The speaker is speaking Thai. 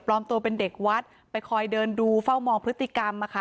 ตัวเป็นเด็กวัดไปคอยเดินดูเฝ้ามองพฤติกรรมนะคะ